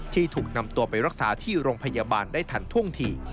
ที่ถูกนำตัวไปรักษาที่โรงพยาบาลได้ทันท่วงที